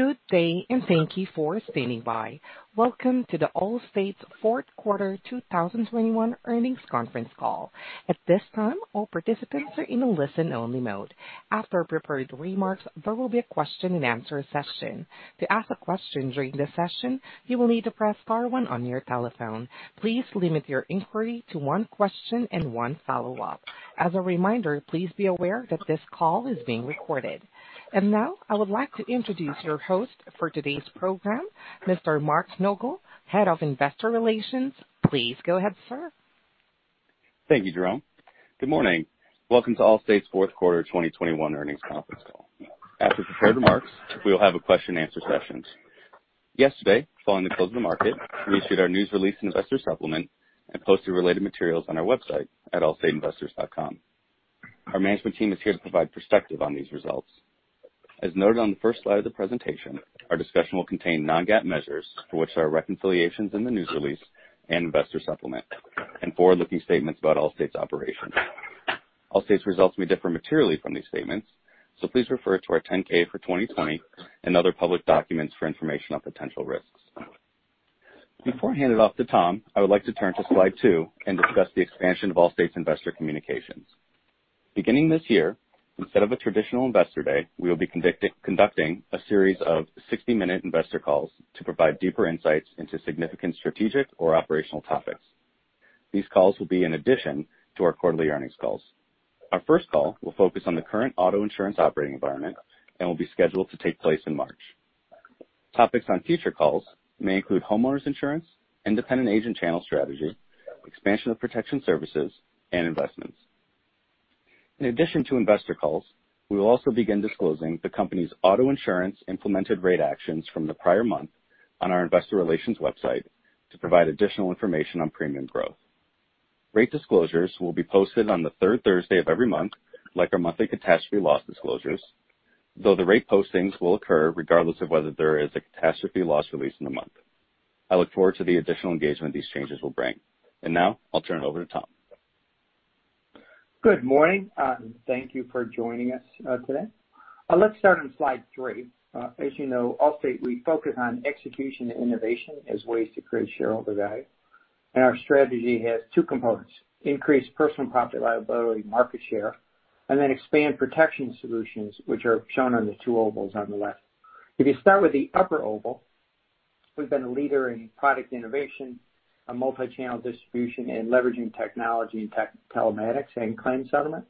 Good day, and thank you for standing by. Welcome to Allstate's fourth quarter 2021 earnings conference call. At this time, all participants are in a listen-only mode. After prepared remarks, there will be a question and answer session. To ask a question during this session, you will need to press star one on your telephone. Please limit your inquiry to one question and one follow-up. As a reminder, please be aware that this call is being recorded. Now, I would like to introduce your host for today's program, Mr. Mark Nogal, Head of Investor Relations. Please go ahead, sir. Thank you, Corinne. Good morning. Welcome to Allstate's fourth quarter 2021 earnings conference call. After the prepared remarks, we will have a question and answer session. Yesterday, following the close of the market, we issued our news release investor supplement and posted related materials on our website at allstateinvestors.com. Our management team is here to provide perspective on these results. As noted on the first slide of the presentation, our discussion will contain non-GAAP measures for which there are reconciliations in the news release and investor supplement and forward-looking statements about Allstate's operations. Allstate's results may differ materially from these statements, so please refer to our 10-K for 2020 and other public documents for information on potential risks. Before I hand it off to Tom, I would like to turn to slide two and discuss the expansion of Allstate's investor communications. Beginning this year, instead of a traditional Investor Day, we will be conducting a series of 60-minute investor calls to provide deeper insights into significant strategic or operational topics. These calls will be in addition to our quarterly earnings calls. Our first call will focus on the current auto insurance operating environment and will be scheduled to take place in March. Topics on future calls may include homeowners insurance, independent agent channel strategy, expansion of protection services, and investments. In addition to investor calls, we will also begin disclosing the company's auto insurance implemented rate actions from the prior month on our investor relations website to provide additional information on premium growth. Rate disclosures will be posted on the third Thursday of every month, like our monthly catastrophe loss disclosures, though the rate postings will occur regardless of whether there is a catastrophe loss release in the month. I look forward to the additional engagement these changes will bring. Now I'll turn it over to Tom. Good morning, thank you for joining us today. Let's start on slide three. As you know, Allstate, we focus on execution and innovation as ways to create shareholder value. Our strategy has two components, increase personal property liability market share, and then expand protection solutions, which are shown on the two ovals on the left. If you start with the upper oval, we've been a leader in product innovation, a multi-channel distribution, and leveraging technology and telematics and claim settlement.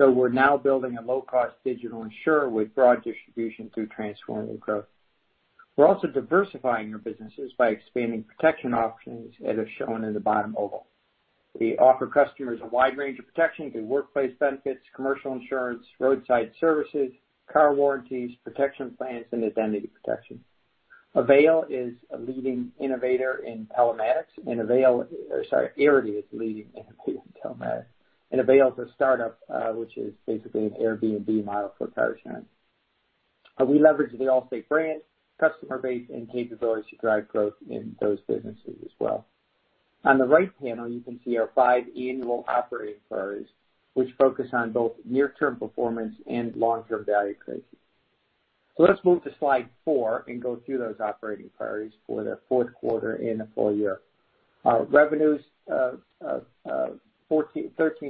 We're now building a low-cost digital insurer with broad distribution through transformative growth. We're also diversifying our businesses by expanding protection options, as are shown in the bottom oval. We offer customers a wide range of protections through workplace benefits, commercial insurance, roadside services, car warranties, protection plans, and identity protection. Arity is a leading innovator in telematics, and Avail is a startup, which is basically an Airbnb model for car sharing. We leverage the Allstate brand, customer base, and capability to drive growth in those businesses as well. On the right panel, you can see our five annual operating priorities, which focus on both near-term performance and long-term value creation. Let's move to slide four and go through those operating priorities for the fourth quarter and the full year. Our revenues $13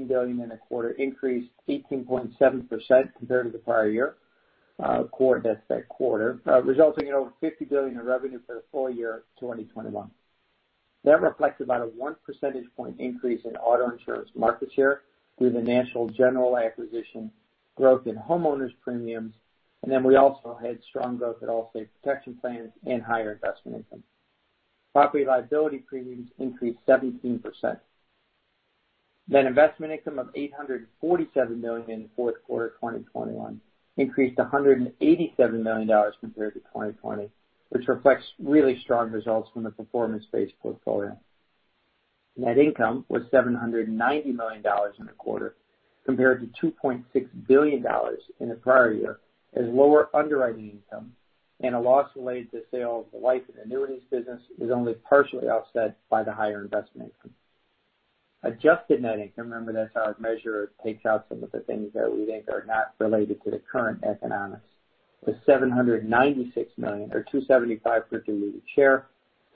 billion in the quarter increased 18.7% compared to the prior year quarter, resulting in over $50 billion in revenue for the full year 2021. That reflects about a 1 percentage point increase in auto insurance market share through the National General acquisition, growth in homeowners premiums, and then we also had strong growth at Allstate Protection Plans and higher investment income. Property and liability premiums increased 17%. Investment income of $847 million in the fourth quarter of 2021 increased to $187 million compared to 2020, which reflects really strong results from the performance-based portfolio. Net income was $790 million in the quarter, compared to $2.6 billion in the prior year, as lower underwriting income and a loss related to the sale of the Life & Annuities business was only partially offset by the higher investment income. Adjusted net income, remember, that's how I measure, takes out some of the things that we think are not related to the current economics, was $796 million or $2.75 per diluted share,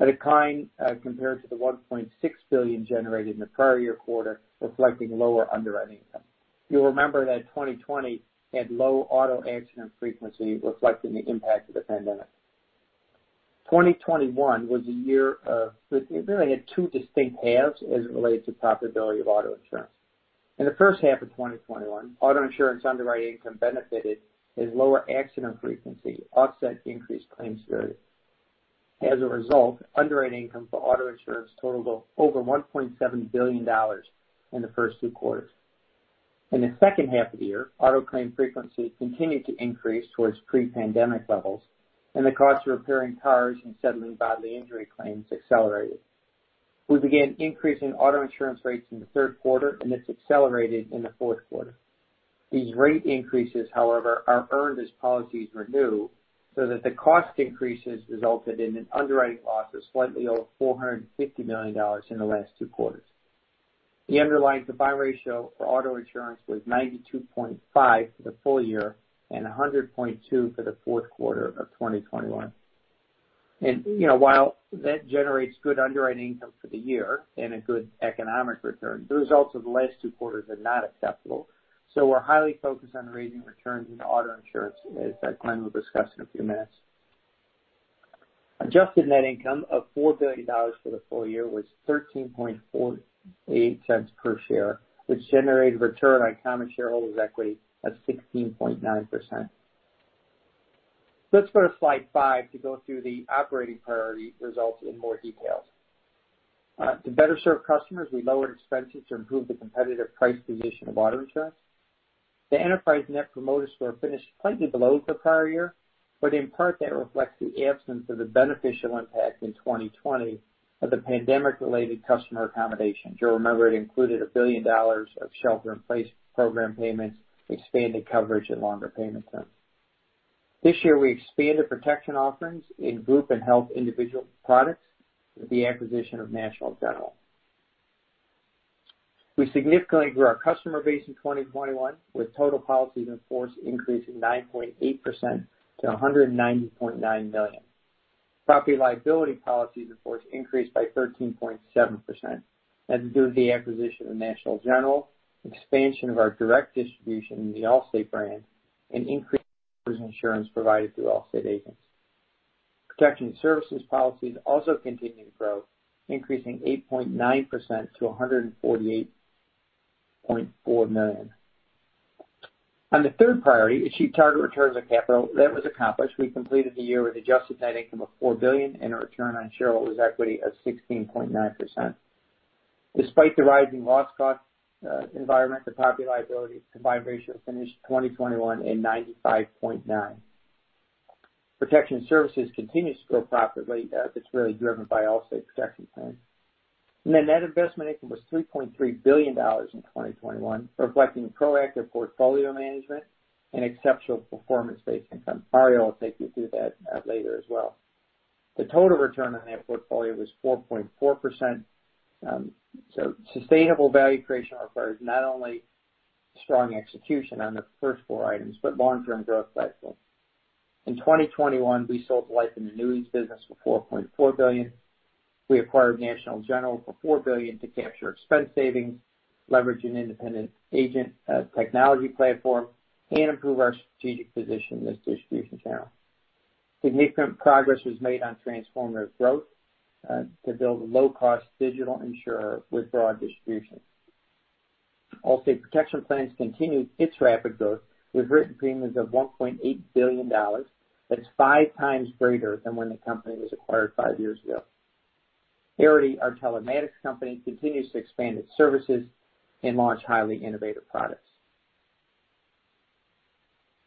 declining compared to the $1.6 billion generated in the prior year quarter, reflecting lower underwriting income. You'll remember that 2020 had low auto accident frequency, reflecting the impact of the pandemic. 2021 was, a year of, it really had two distinct halves as it related to profitability of auto insurance. In the first half of 2021, auto insurance underwriting income benefited as lower accident frequency offset the increased claims severity. As a result, underwriting income for auto insurance totaled over $1.7 billion in the first two quarters. In the second half of the year, auto claim frequency continued to increase towards pre-pandemic levels, and the cost of repairing cars and settling bodily injury claims accelerated. We began increasing auto insurance rates in the third quarter, and this accelerated in the fourth quarter. These rate increases, however, are earned as policies renew so that the cost increases resulted in an underwriting loss of slightly over $450 million in the last two quarters. The underlying combined ratio for auto insurance was 92.5 for the full year and 100.2 for the fourth quarter of 2021. You know, while that generates good underwriting income for the year and a good economic return, the results of the last two quarters are not acceptable. We're highly focused on raising returns in auto insurance, as, Glenn will discuss in a few minutes. Adjusted net income of $4 billion for the full year was $13.48 per share, which generated return on common shareholders' equity at 16.9%. Let's go to slide five to go through the operating priority results in more detail. To better serve customers, we lowered expenses to improve the competitive price position of auto insurance. The enterprise Net Promoter Score finished slightly below the prior year, but in part, that reflects the absence of the beneficial impact in 2020 of the pandemic-related customer accommodations. You'll remember it included $1 billion of Shelter-In-Place program payments, expanded coverage, and longer payment terms. This year, we expanded protection offerings in group and health individual products with the acquisition of National General. We significantly grew our customer base in 2021, with total policies in force increasing 9.8% to 190.9 million. Property-Liability policies, of course, increased by 13.7%. That's due to the acquisition of National General, expansion of our direct distribution in the Allstate brand, and increased insurance provided through Allstate agents. Protection services policies also continued to grow, increasing 8.9% to 148.4 million. On the third priority, achieve target returns on capital, that was accomplished. We completed the year with adjusted net income of $4 billion and a return on shareholders' equity of 16.9%. Despite the rising loss cost, environment, the Property-Liability combined ratio finished 2021 at 95.9. Protection services continues to grow profitably, that's really driven by Allstate Protection Plans. Net investment income was $3.3 billion in 2021, reflecting proactive portfolio management and exceptional performance-based income. Mario will take you through that, later as well. The total return on that portfolio was 4.4%. Sustainable value creation requires not only strong execution on the first four items, but long-term growth cycles. In 2021, we sold Life & Annuities business for $4.4 billion. We acquired National General for $4 billion to capture expense savings, leverage an independent agent, technology platform, and improve our strategic position in this distribution channel. Significant progress was made on transformative growth to build a low-cost digital insurer with broad distribution. Allstate Protection Plans continued its rapid growth, with written premiums of $1.8 billion. That's 5x greater than when the company was acquired five years ago. Arity, our telematics company, continues to expand its services and launch highly innovative products.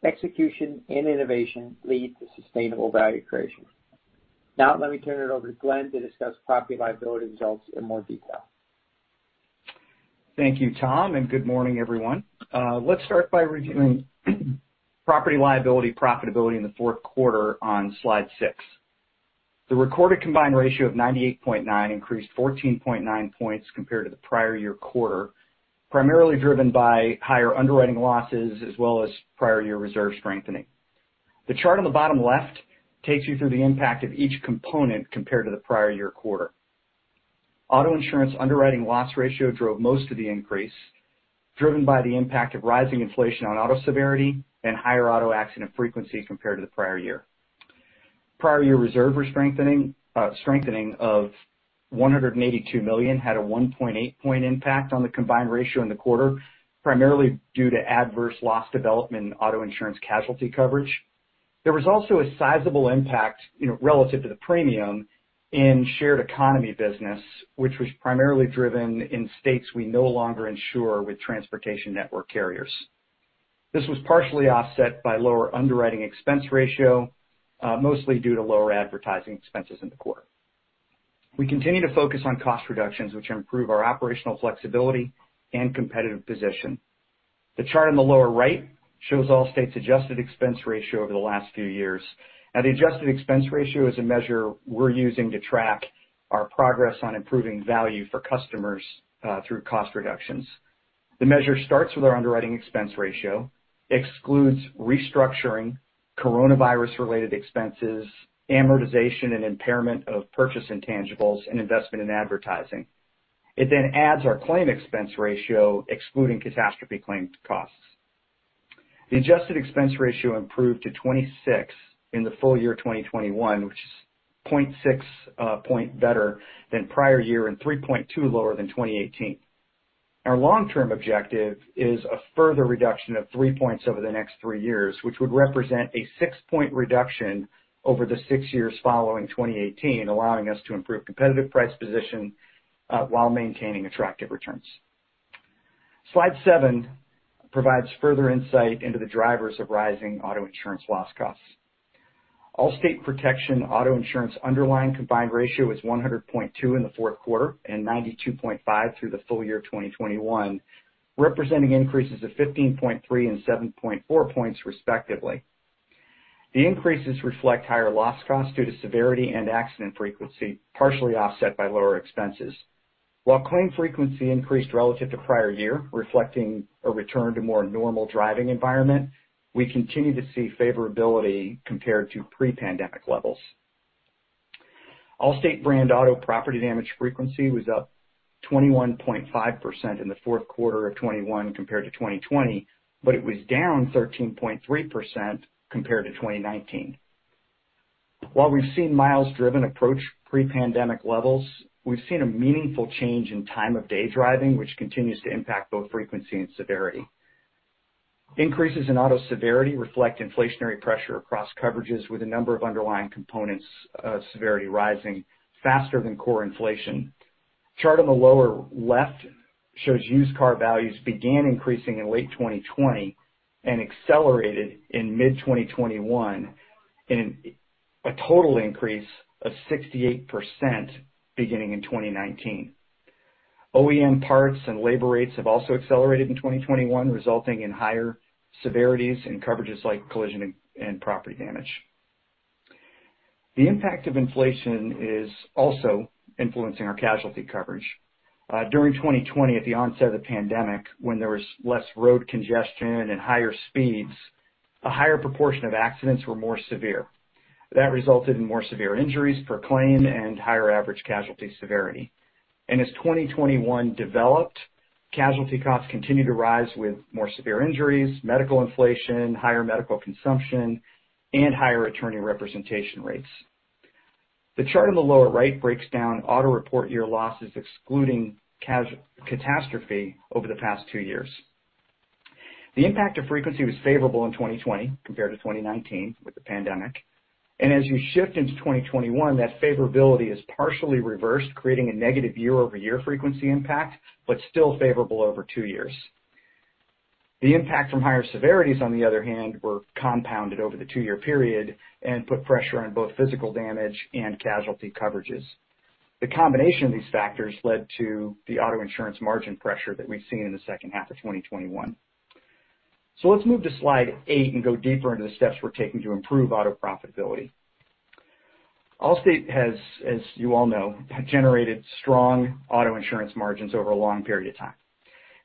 Execution and innovation lead to sustainable value creation. Now, let me turn it over to Glenn to discuss Property-Liability results in more detail. Thank you, Tom, and good morning, everyone. Let's start by reviewing Property-Liability profitability in the fourth quarter on slide six. The recorded combined ratio of 98.9 increased 14.9 points compared to the prior year quarter, primarily driven by higher underwriting losses as well as prior year reserve strengthening. The chart on the bottom left takes you through the impact of each component compared to the prior year quarter. Auto insurance underwriting loss ratio drove most of the increase, driven by the impact of rising inflation on auto severity and higher auto accident frequency compared to the prior year. Prior year reserve strengthening of $182 million had a 1.8-point impact on the combined ratio in the quarter, primarily due to adverse loss development in auto insurance casualty coverage. There was also a sizable impact, you know, relative to the premium in shared economy business, which was primarily driven in states we no longer insure with transportation network carriers. This was partially offset by lower underwriting expense ratio, mostly due to lower advertising expenses in the quarter. We continue to focus on cost reductions, which improve our operational flexibility and competitive position. The chart on the lower right shows Allstate's adjusted expense ratio over the last few years. Now, the adjusted expense ratio is a measure we're using to track our progress on improving value for customers, through cost reductions. The measure starts with our underwriting expense ratio, excludes restructuring, coronavirus-related expenses, amortization and impairment of purchase intangibles, and investment in advertising. It then adds our claim expense ratio, excluding catastrophe claim costs. The adjusted expense ratio improved to 26% in the full year 2021, which is 0.6 point better than prior year, and 3.2 points lower than 2018. Our long-term objective is a further reduction of 3 points over the next three years, which would represent a 6-point reduction over the six years following 2018, allowing us to improve competitive price position while maintaining attractive returns. Slide seven provides further insight into the drivers of rising auto insurance loss costs. Allstate Protection auto insurance underlying combined ratio is 100.2 in the fourth quarter and 92.5 through the full year of 2021, representing increases of 15.3 and 7.4 points, respectively. The increases reflect higher loss costs due to severity and accident frequency, partially offset by lower expenses. While claim frequency increased relative to prior year, reflecting a return to more normal driving environment, we continue to see favorability compared to pre-pandemic levels. Allstate brand auto property damage frequency was up 21.5% in the fourth quarter of 2021 compared to 2020, but it was down 13.3% compared to 2019. While we've seen miles driven approach pre-pandemic levels, we've seen a meaningful change in time of day driving, which continues to impact both frequency and severity. Increases in auto severity reflect inflationary pressure across coverages with a number of underlying components, severity rising faster than core inflation. Chart on the lower left shows used car values began increasing in late 2020 and accelerated in mid-2021 in a total increase of 68% beginning in 2019. OEM parts and labor rates have also accelerated in 2021, resulting in higher severities in coverages like collision and property damage. The impact of inflation is also influencing our casualty coverage. During 2020, at the onset of the pandemic, when there was less road congestion and higher speeds, a higher proportion of accidents were more severe. That resulted in more severe injuries per claim and higher average casualty severity. As 2021 developed, casualty costs continued to rise with more severe injuries, medical inflation, higher medical consumption, and higher attorney representation rates. The chart on the lower right breaks down auto report year losses excluding catastrophe over the past two years. The impact of frequency was favorable in 2020 compared to 2019 with the pandemic. As you shift into 2021, that favorability is partially reversed, creating a negative year-over-year frequency impact, but still favorable over two years. The impact from higher severities, on the other hand, were compounded over the two-year period and put pressure on both physical damage and casualty coverages. The combination of these factors led to the auto insurance margin pressure that we've seen in the second half of 2021. Let's move to slide eight and go deeper into the steps we're taking to improve auto profitability. Allstate has, as you all know, generated strong auto insurance margins over a long period of time.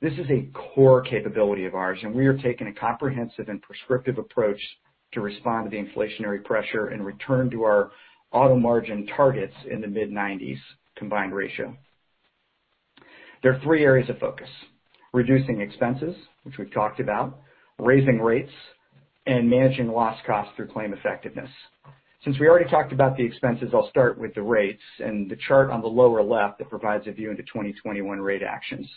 This is a core capability of ours, and we are taking a comprehensive and prescriptive approach to respond to the inflationary pressure and return to our auto margin targets in the mid-90s combined ratio. There are three areas of focus: reducing expenses, which we've talked about, raising rates, and managing loss costs through claim effectiveness. Since we already talked about the expenses, I'll start with the rates and the chart on the lower left that provides a view into 2021 rate actions.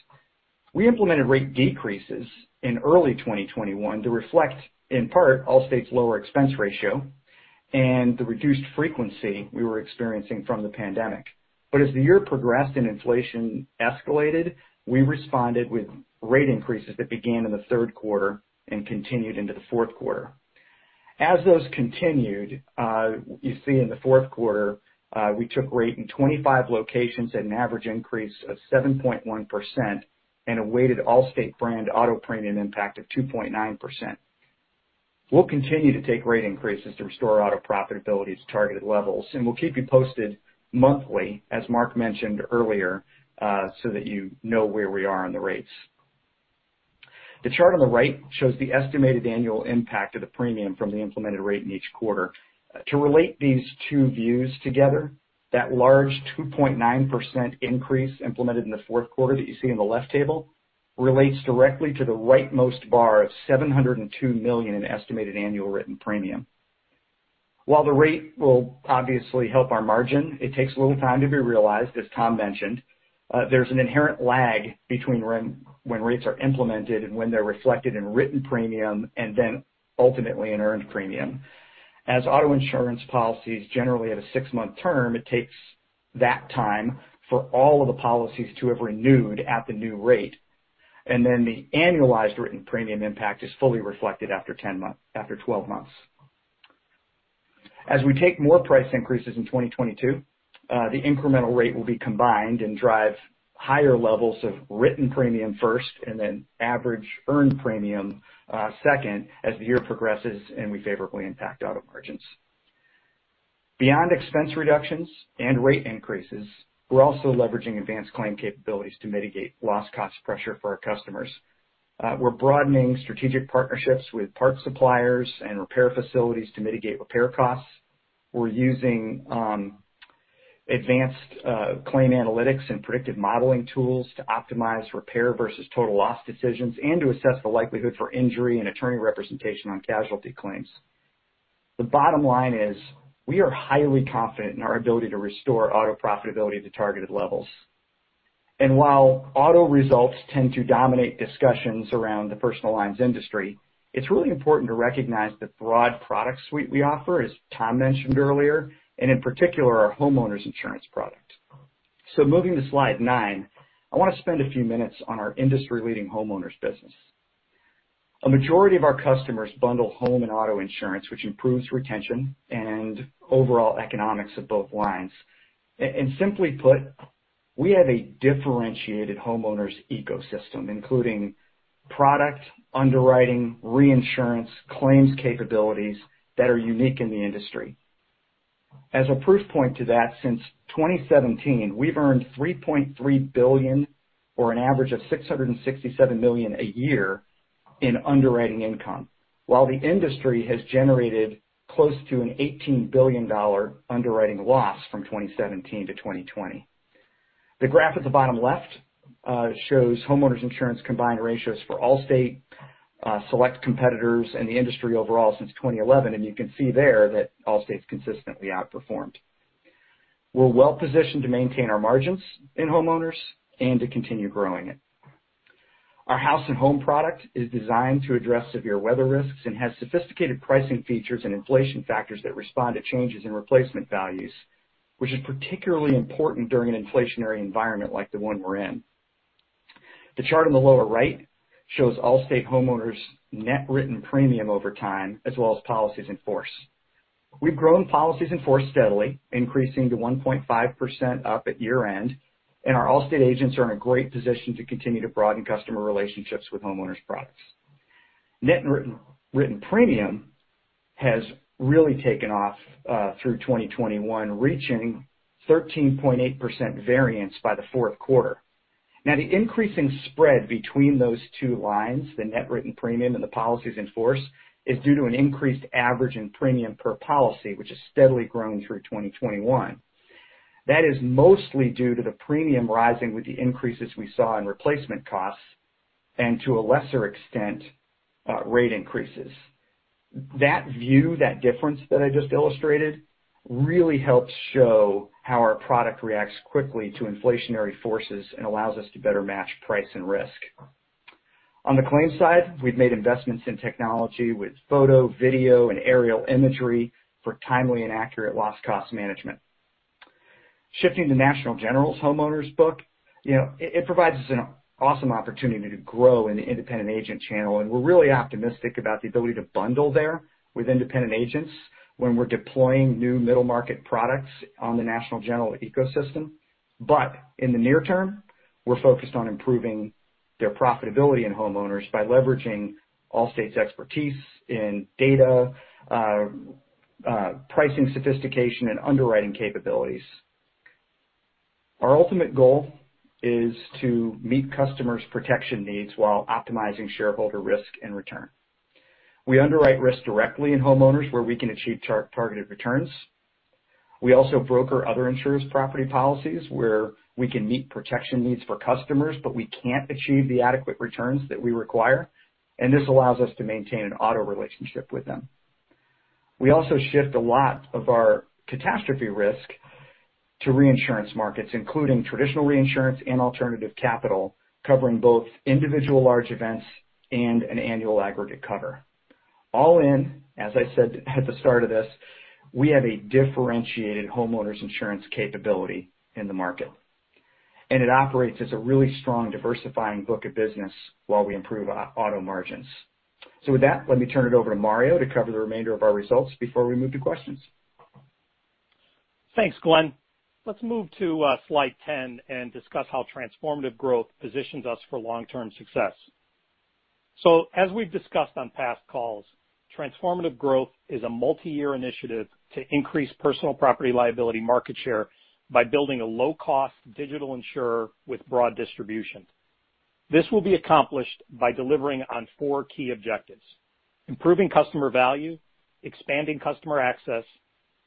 We implemented rate decreases in early 2021 to reflect, in part, Allstate's lower expense ratio and the reduced frequency we were experiencing from the pandemic. As the year progressed and inflation escalated, we responded with rate increases that began in the third quarter and continued into the fourth quarter. As those continued, you see in the fourth quarter, we took rate in 25 locations at an average increase of 7.1% and a weighted Allstate brand auto premium impact of 2.9%. We'll continue to take rate increases to restore auto profitability to targeted levels, and we'll keep you posted monthly, as Mark mentioned earlier, so that you know where we are on the rates. The chart on the right shows the estimated annual impact of the premium from the implemented rate in each quarter. To relate these two views together, that large 2.9% increase implemented in the fourth quarter that you see in the left table relates directly to the rightmost bar of $702 million in estimated annual written premium. While the rate will obviously help our margin, it takes a little time to be realized, as Tom mentioned. There's an inherent lag between when rates are implemented and when they're reflected in written premium and then ultimately in earned premium. As auto insurance policy is generally at a six-month term, it takes that time for all of the policies to have renewed at the new rate. Then the annualized written premium impact is fully reflected after 12 months. As we take more price increases in 2022, the incremental rate will be combined and drive higher levels of written premium first, and then average earned premium, second as the year progresses and we favorably impact auto margins. Beyond expense reductions and rate increases, we're also leveraging advanced claim capabilities to mitigate loss cost pressure for our customers. We're broadening strategic partnerships with parts suppliers and repair facilities to mitigate repair costs. We're using advanced claim analytics and predictive modeling tools to optimize repair versus total loss decisions and to assess the likelihood for injury and attorney representation on casualty claims. The bottom line is, we are highly confident in our ability to restore auto profitability to targeted levels. While auto results tend to dominate discussions around the personal lines industry, it's really important to recognize the broad product suite we offer, as Tom mentioned earlier, and in particular, our homeowners insurance product. Moving to slide nine, I want to spend a few minutes on our industry-leading homeowners business. A majority of our customers bundle home and auto insurance, which improves retention and overall economics of both lines. Simply put, we have a differentiated homeowners ecosystem, including product underwriting, reinsurance, claims capabilities that are unique in the industry. As a proof point to that, since 2017, we've earned $3.3 billion or an average of $667 million a year in underwriting income. While the industry has generated close to an $18 billion underwriting loss from 2017 to 2020. The graph at the bottom left shows homeowners insurance combined ratios for Allstate, select competitors and the industry overall since 2011, and you can see there that Allstate's consistently outperformed. We're well-positioned to maintain our margins in homeowners and to continue growing it. Our House and Home product is designed to address severe weather risks and has sophisticated pricing features and inflation factors that respond to changes in replacement values, which is particularly important during an inflationary environment like the one we're in. The chart on the lower right shows Allstate Homeowners net written premium over time, as well as policies in force. We've grown policies in force steadily, increasing to 1.5% up at year-end, and our Allstate agents are in a great position to continue to broaden customer relationships with homeowners products. Net written premium has really taken off through 2021, reaching 13.8% variance by the fourth quarter. Now, the increasing spread between those two lines, the net written premium and the policies in force, is due to an increased average in premium per policy, which has steadily grown through 2021. That is mostly due to the premium rising with the increases we saw in replacement costs and to a lesser extent, rate increases. That view, that difference that I just illustrated really helps show how our product reacts quickly to inflationary forces and allows us to better match price and risk. On the claim side, we've made investments in technology with photo, video, and aerial imagery for timely and accurate loss cost management. Shifting to National General's homeowners book, you know, it provides us an awesome opportunity to grow in the independent agent channel, and we're really optimistic about the ability to bundle there with independent agents when we're deploying new middle market products on the National General ecosystem. In the near term, we're focused on improving their profitability in homeowners by leveraging Allstate's expertise in data, pricing sophistication, and underwriting capabilities. Our ultimate goal is to meet customers' protection needs while optimizing shareholder risk in return. We underwrite risk directly in homeowners where we can achieve targeted returns. We also broker other insurers' property policies, where we can meet protection needs for customers, but we can't achieve the adequate returns that we require, and this allows us to maintain an auto relationship with them. We also shift a lot of our catastrophe risk to reinsurance markets, including traditional reinsurance and alternative capital, covering both individual large events and an annual aggregate cover. All in, as I said at the start of this, we have a differentiated homeowners insurance capability in the market, and it operates as a really strong diversifying book of business while we improve auto margins. With that, let me turn it over to Mario to cover the remainder of our results before we move to questions. Thanks, Glenn. Let's move to slide 10 and discuss how transformative growth positions us for long-term success. As we've discussed on past calls, transformative growth is a multi-year initiative to increase personal property liability market share by building a low-cost digital insurer with broad distribution. This will be accomplished by delivering on four key objectives: improving customer value, expanding customer access,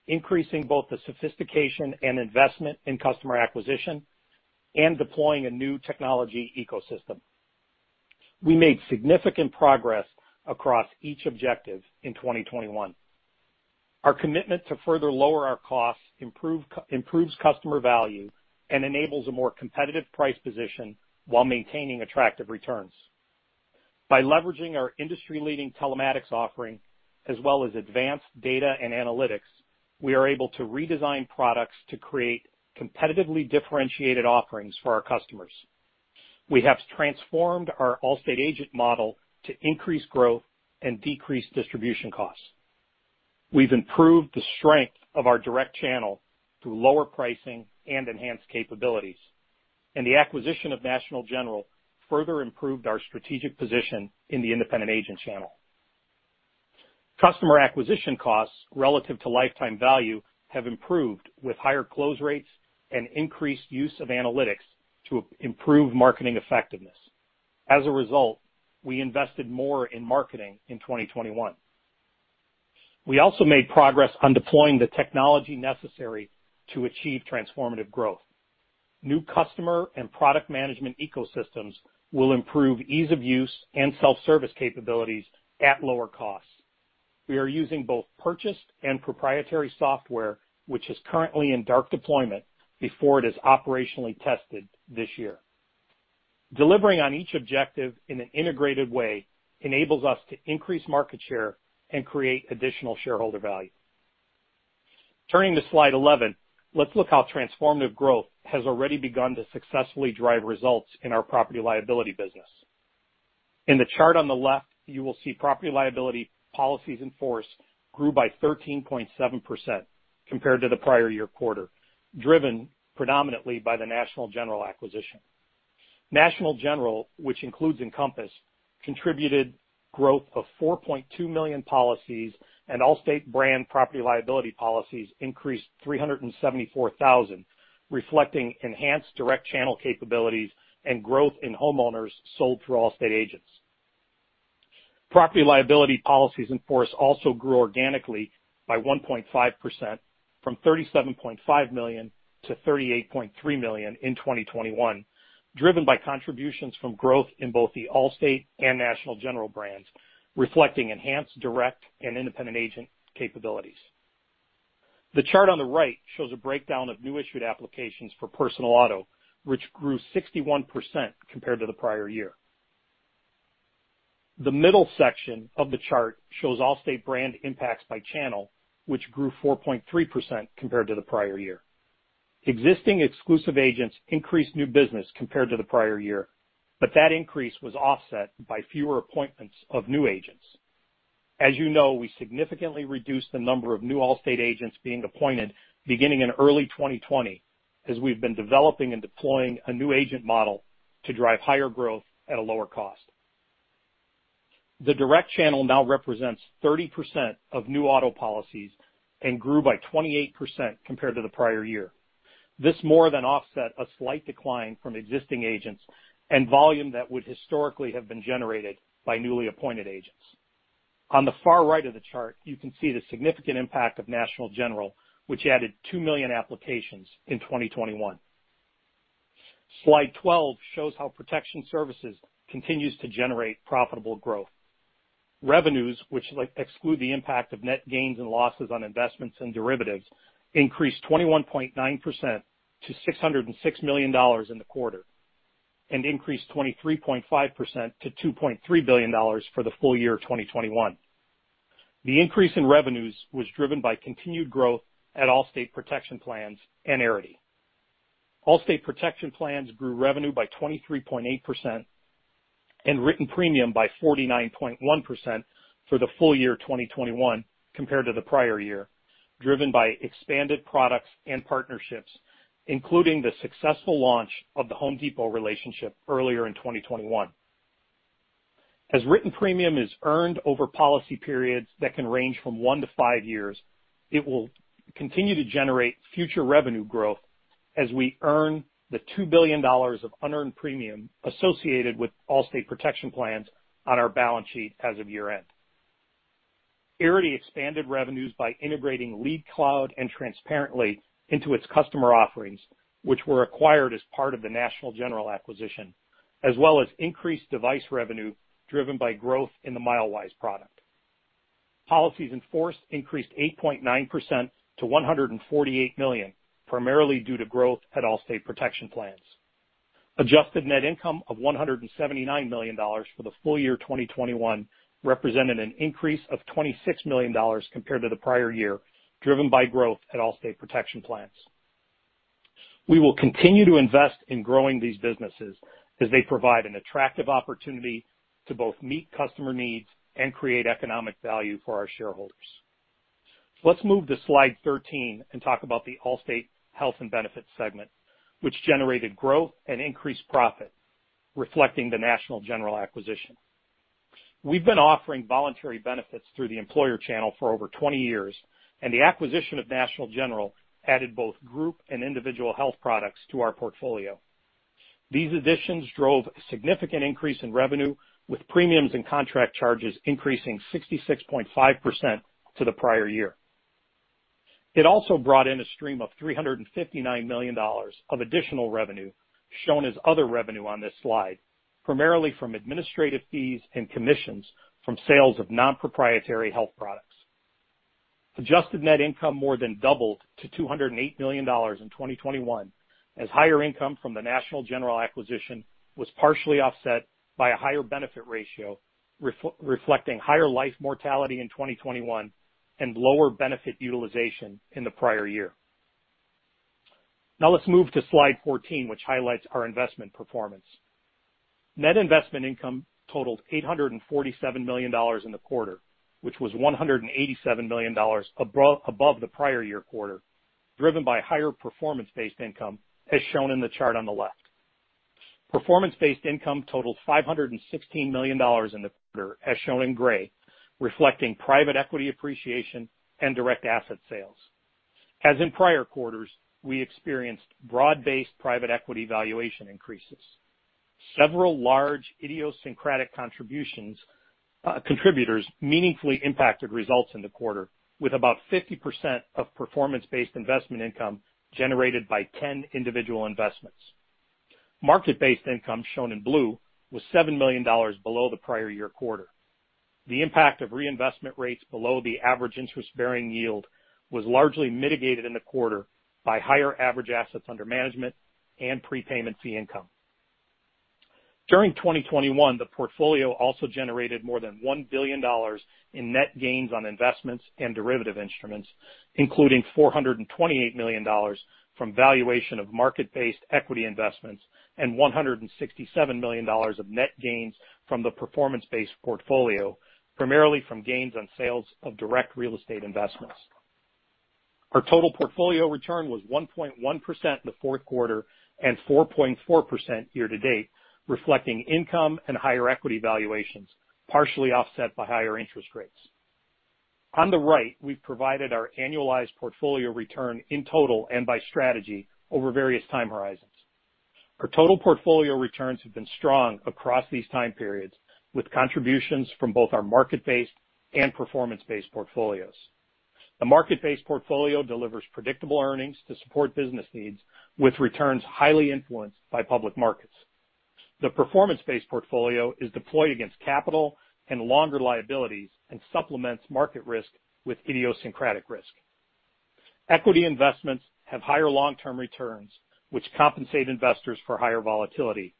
increasing both the sophistication and investment in customer acquisition, and deploying a new technology ecosystem. We made significant progress across each objective in 2021. Our commitment to further lower our costs improves customer value and enables a more competitive price position while maintaining attractive returns. By leveraging our industry-leading telematics offering, as well as advanced data and analytics, we are able to redesign products to create competitively differentiated offerings for our customers. We have transformed our Allstate agent model to increase growth and decrease distribution costs. We've improved the strength of our direct channel through lower pricing and enhanced capabilities. The acquisition of National General further improved our strategic position in the independent agent channel. Customer acquisition costs relative to lifetime value have improved with higher close rates and increased use of analytics to improve marketing effectiveness. As a result, we invested more in marketing in 2021. We also made progress on deploying the technology necessary to achieve transformative growth. New customer and product management ecosystems will improve ease of use and self-service capabilities at lower costs. We are using both purchased and proprietary software, which is currently in dark deployment before it is operationally tested this year. Delivering on each objective in an integrated way enables us to increase market share and create additional shareholder value. Turning to slide 11, let's look how transformative growth has already begun to successfully drive results in our Property-Liability business. In the chart on the left, you will see Property-Liability policies in force grew by 13.7% compared to the prior year quarter, driven predominantly by the National General acquisition. National General, which includes Encompass, contributed growth of 4.2 million policies, and Allstate brand Property-Liability policies increased 374,000, reflecting enhanced direct channel capabilities and growth in homeowners sold through Allstate agents. Property-Liability policies in force also grew organically by 1.5% from 37.5 million to 38.3 million in 2021, driven by contributions from growth in both the Allstate and National General brands, reflecting enhanced direct and independent agent capabilities. The chart on the right shows a breakdown of new issued applications for personal auto, which grew 61% compared to the prior year. The middle section of the chart shows Allstate brand impacts by channel, which grew 4.3% compared to the prior year. Existing exclusive agents increased new business compared to the prior year, but that increase was offset by fewer appointments of new agents. As you know, we significantly reduced the number of new Allstate agents being appointed beginning in early 2020 as we've been developing and deploying a new agent model to drive higher growth at a lower cost. The direct channel now represents 30% of new auto policies and grew by 28% compared to the prior year. This more than offset a slight decline from existing agents and volume that would historically have been generated by newly appointed agents. On the far right of the chart, you can see the significant impact of National General, which added 2 million applications in 2021. Slide 12 shows how Protection Services continues to generate profitable growth. Revenues, which exclude the impact of net gains and losses on investments and derivatives, increased 21.9% to $606 million in the quarter, and increased 23.5% to $2.3 billion for the full year 2021. The increase in revenues was driven by continued growth at Allstate Protection Plans and Arity. Allstate Protection Plans grew revenue by 23.8% and written premium by 49.1% for the full year 2021 compared to the prior year, driven by expanded products and partnerships, including the successful launch of the Home Depot relationship earlier in 2021. As written premium is earned over policy periods that can range from one to five years, it will continue to generate future revenue growth as we earn the $2 billion of unearned premium associated with Allstate Protection Plans on our balance sheet as of year-end. Arity expanded revenues by integrating LeadCloud and Transparent.ly into its customer offerings, which were acquired as part of the National General acquisition, as well as increased device revenue driven by growth in the Milewise product. Policies in force increased 8.9% to 148 million, primarily due to growth at Allstate Protection Plans. Adjusted net income of $179 million for the full year 2021 represented an increase of $26 million compared to the prior year, driven by growth at Allstate Protection Plans. We will continue to invest in growing these businesses as they provide an attractive opportunity to both meet customer needs and create economic value for our shareholders. Let's move to slide 13 and talk about the Allstate Health and Benefits segment, which generated growth and increased profit, reflecting the National General acquisition. We've been offering voluntary benefits through the employer channel for over 20 years, and the acquisition of National General added both group and individual health products to our portfolio. These additions drove a significant increase in revenue, with premiums and contract charges increasing 66.5% to the prior year. It also brought in a stream of $359 million of additional revenue, shown as other revenue on this slide, primarily from administrative fees and commissions from sales of non-proprietary health products. Adjusted net income more than doubled to $208 million in 2021, as higher income from the National General acquisition was partially offset by a higher benefit ratio, reflecting higher life mortality in 2021 and lower benefit utilization in the prior year. Now let's move to slide 14, which highlights our investment performance. Net investment income totaled $847 million in the quarter, which was $187 million above the prior year quarter, driven by higher performance-based income, as shown in the chart on the left. Performance-based income totaled $516 million in the quarter, as shown in gray, reflecting private equity appreciation and direct asset sales. As in prior quarters, we experienced broad-based private equity valuation increases. Several large idiosyncratic contributors meaningfully impacted results in the quarter, with about 50% of performance-based investment income generated by 10 individual investments. Market-based income, shown in blue, was $7 million below the prior year quarter. The impact of reinvestment rates below the average interest-bearing yield was largely mitigated in the quarter by higher average assets under management and prepayment fee income. During 2021, the portfolio also generated more than $1 billion in net gains on investments and derivative instruments, including $428 million from valuation of market-based equity investments and $167 million of net gains from the performance-based portfolio, primarily from gains on sales of direct real estate investments. Our total portfolio return was 1.1% in the fourth quarter and 4.4% year to date, reflecting income and higher equity valuations, partially offset by higher interest rates. On the right, we've provided our annualized portfolio return in total and by strategy over various time horizons. Our total portfolio returns have been strong across these time periods, with contributions from both our market-based and performance-based portfolios. The market-based portfolio delivers predictable earnings to support business needs, with returns highly influenced by public markets. The performance-based portfolio is deployed against capital and longer liabilities and supplements market risk with idiosyncratic risk. Equity investments have higher long-term returns, which compensate investors for higher volatility,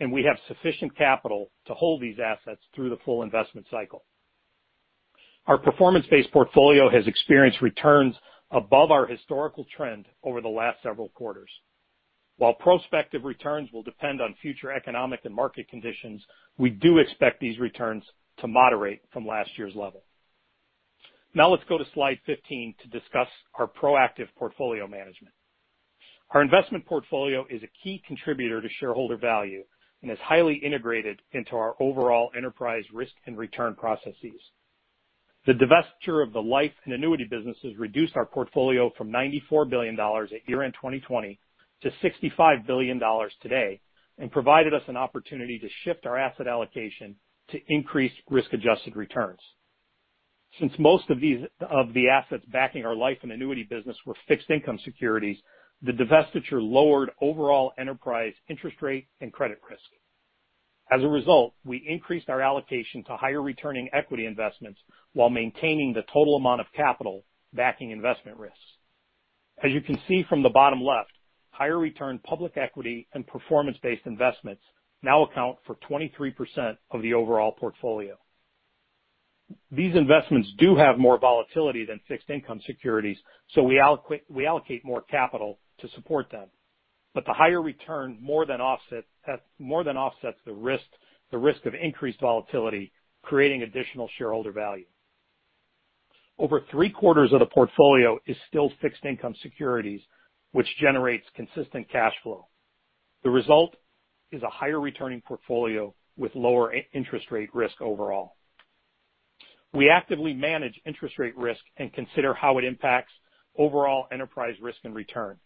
and we have sufficient capital to hold these assets through the full investment cycle. Our performance-based portfolio has experienced returns above our historical trend over the last several quarters. While prospective returns will depend on future economic and market conditions, we do expect these returns to moderate from last year's level. Now let's go to slide 15 to discuss our proactive portfolio management. Our investment portfolio is a key contributor to shareholder value and is highly integrated into our overall enterprise risk and return processes. The divestiture of the Life and Annuities businesses reduced our portfolio from $94 billion at year-end 2020 to $65 billion today and provided us an opportunity to shift our asset allocation to increase risk-adjusted returns. Since most of the assets backing our Life and Annuities business were fixed income securities, the divestiture lowered overall enterprise interest rate and credit risk. As a result, we increased our allocation to higher returning equity investments while maintaining the total amount of capital backing investment risks. As you can see from the bottom left, higher return public equity and performance-based investments now account for 23% of the overall portfolio. These investments do have more volatility than fixed income securities, so we allocate more capital to support them. The higher return more than offsets the risk of increased volatility, creating additional shareholder value. Over three-quarters of the portfolio is still fixed income securities, which generates consistent cash flow. The result is a higher returning portfolio with lower interest rate risk overall. We actively manage interest rate risk and consider how it impacts overall enterprise risk and return.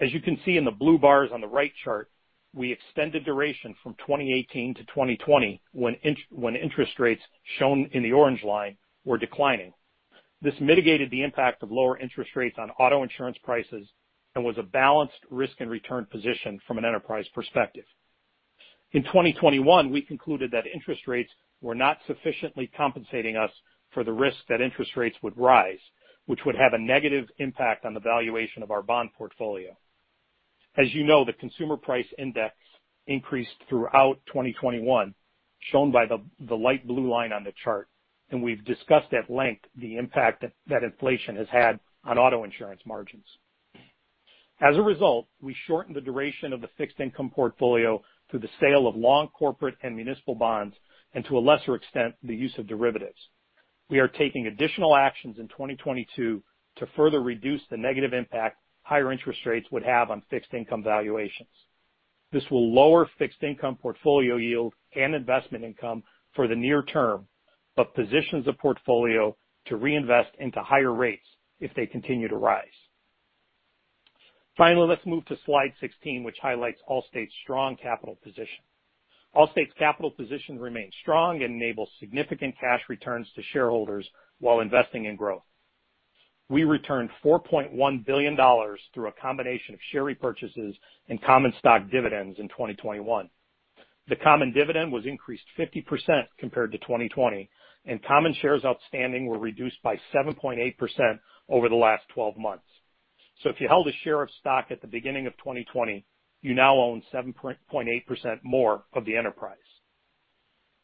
As you can see in the blue bars on the right chart, we extended duration from 2018 to 2020 when interest rates shown in the orange line were declining. This mitigated the impact of lower interest rates on auto insurance prices and was a balanced risk and return position from an enterprise perspective. In 2021, we concluded that interest rates were not sufficiently compensating us for the risk that interest rates would rise, which would have a negative impact on the valuation of our bond portfolio. As you know, the Consumer Price Index increased throughout 2021, shown by the light blue line on the chart, and we've discussed at length the impact that inflation has had on auto insurance margins. As a result, we shortened the duration of the fixed income portfolio through the sale of long corporate and municipal bonds and to a lesser extent, the use of derivatives. We are taking additional actions in 2022 to further reduce the negative impact higher interest rates would have on fixed income valuations. This will lower fixed income portfolio yield and investment income for the near term, but positions the portfolio to reinvest into higher rates if they continue to rise. Finally, let's move to slide 16, which highlights Allstate's strong capital position. Allstate's capital position remains strong and enables significant cash returns to shareholders while investing in growth. We returned $4.1 billion through a combination of share repurchases and common stock dividends in 2021. The common dividend was increased 50% compared to 2020, and common shares outstanding were reduced by 7.8% over the last 12 months. If you held a share of stock at the beginning of 2020, you now own 7.8% more of the enterprise.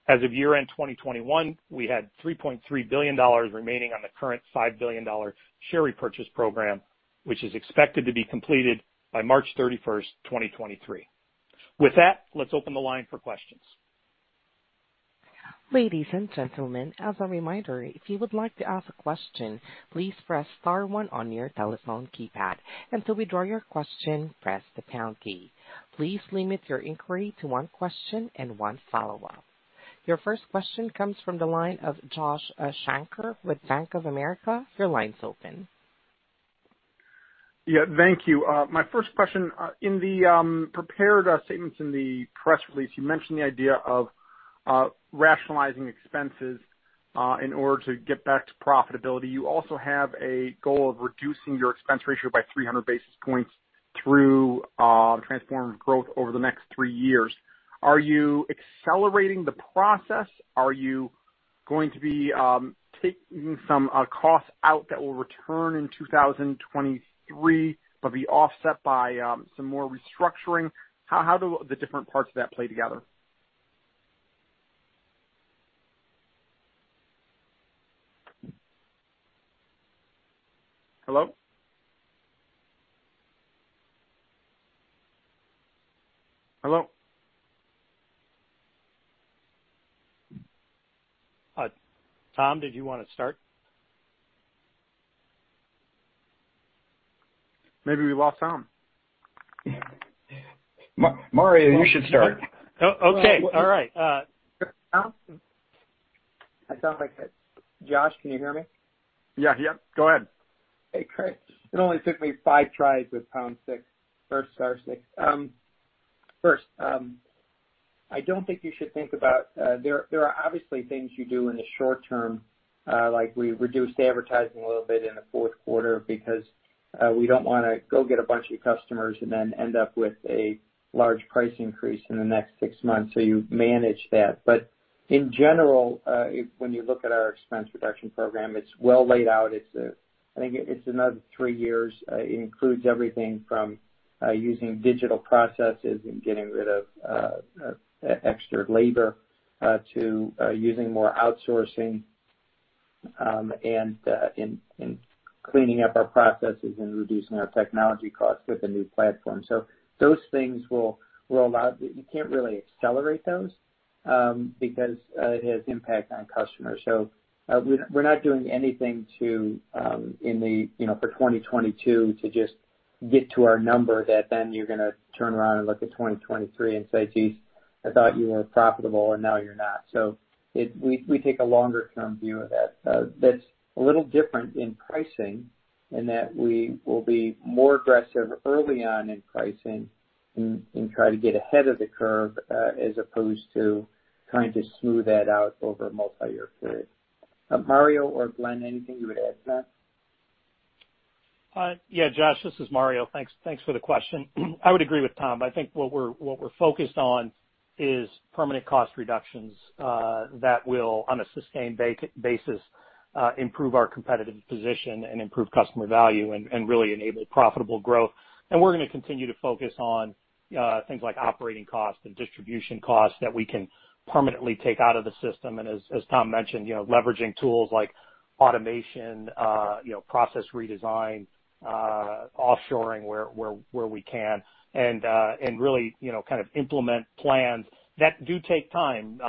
As of year-end 2021, we had $3.3 billion remaining on the current $5 billion share repurchase program, which is expected to be completed by March 31, 2023. With that, let's open the line for questions. Ladies and gentlemen, as a reminder, if you would like to ask a question, please press star one on your telephone keypad. To withdraw your question, press the pound key. Please limit your inquiry to one question and one follow-up. Your first question comes from the line of Joshua Shanker with Bank of America. Your line's open. Yeah. Thank you. My first question. In the prepared statements in the press release, you mentioned the idea of rationalizing expenses in order to get back to profitability. You also have a goal of reducing your expense ratio by 300 basis points through transformative growth over the next three years. Are you accelerating the process? Are you going to be taking some costs out that will return in 2023 but be offset by some more restructuring. How do the different parts of that play together? Hello? Hello? Tom, did you wanna start? Maybe we lost Tom. Mario, you should start. Okay. All right. I sound okay? Josh, can you hear me? Yeah. Yeah. Go ahead. Hey, great. It only took me five tries with pound six or star six. First, there are obviously things you do in the short term, like we reduced advertising a little bit in the fourth quarter because we don't wanna go get a bunch of customers and then end up with a large price increase in the next six months, so you manage that. In general, when you look at our expense reduction program, it's well laid out. I think it's another three years. It includes everything from using digital processes and getting rid of extra labor to using more outsourcing, and cleaning up our processes and reducing our technology costs with a new platform. Those things will allow. You can't really accelerate those, because it has impact on customers. We're not doing anything to, in the you know for 2022 to just get to our number that then you're gonna turn around and look at 2023 and say, "Geez, I thought you were profitable, and now you're not." We take a longer term view of that. That's a little different in pricing in that we will be more aggressive early on in pricing and try to get ahead of the curve, as opposed to trying to smooth that out over a multiyear period. Mario or Glenn, anything you would add to that? Yeah, Josh, this is Mario. Thanks for the question. I would agree with Tom. I think what we're focused on is permanent cost reductions that will, on a sustained basis, improve our competitive position and improve customer value and really enable profitable growth. We're gonna continue to focus on things like operating costs and distribution costs that we can permanently take out of the system. As Tom mentioned, you know, leveraging tools like automation, you know, process redesign, offshoring where we can, and really, you know, kind of implement plans that do take time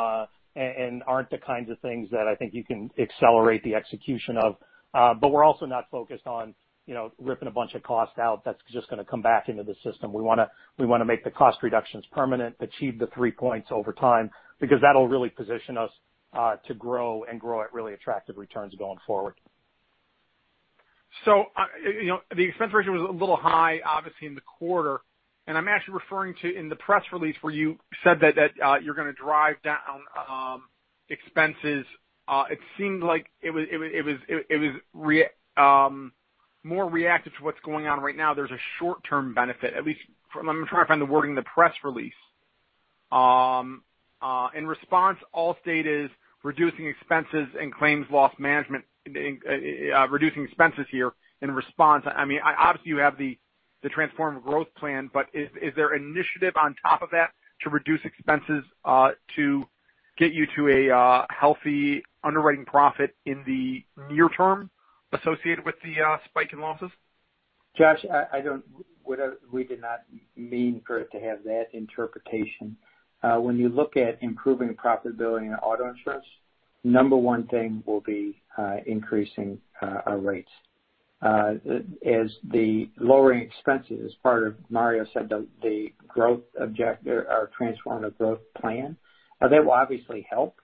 and aren't the kinds of things that I think you can accelerate the execution of. We're also not focused on, you know, ripping a bunch of costs out that's just gonna come back into the system. We wanna make the cost reductions permanent, achieve the three points over time, because that'll really position us to grow and grow at really attractive returns going forward. You know, the expense ratio was a little high, obviously, in the quarter, and I'm actually referring to in the press release where you said that you're gonna drive down expenses. It seemed like it was more reactive to what's going on right now. There's a short-term benefit, at least. I'm trying to find the wording in the press release. In response, Allstate is reducing expenses and claims loss management, reducing expenses here in response. I mean, obviously, you have the Transformative Growth Plan, but is there initiative on top of that to reduce expenses to get you to a healthy underwriting profit in the near term associated with the spike in losses? Josh, we did not mean for it to have that interpretation. When you look at improving profitability in auto insurance, number one thing will be increasing our rates. As the lowering expenses is part of, Mario said, the growth objective or transformative growth plan. That will obviously help,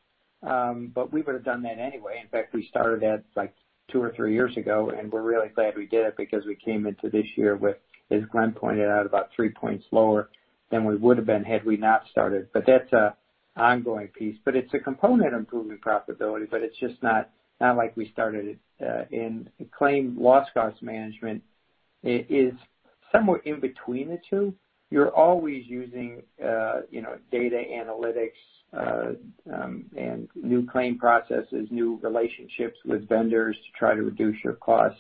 but we would've done that anyway. In fact, we started that, like, two or three years ago, and we're really glad we did it because we came into this year with, as Glenn pointed out, about 3 points lower than we would have been had we not started. But that's an ongoing piece, but it's a component of improving profitability, but it's just not like we started it in claim loss cost management. It is somewhat in between the two. You're always using, you know, data analytics, and new claim processes, new relationships with vendors to try to reduce your costs.